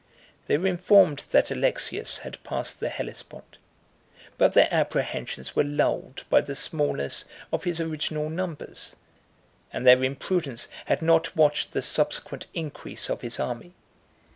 They were informed that Alexius had passed the Hellespont; but their apprehensions were lulled by the smallness of his original numbers; and their imprudence had not watched the subsequent increase of his army.